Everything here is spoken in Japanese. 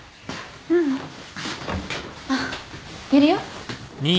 ううん。あっやるよ。